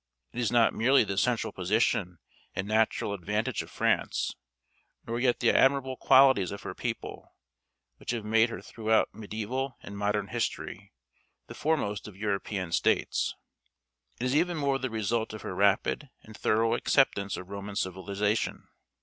It is not merely the central position and natural advantages of France, nor yet the admirable qualities of her people, which have made her throughout mediæval and modern history, the foremost of European states. It is even more the result of her rapid and thorough acceptance of Roman civilization.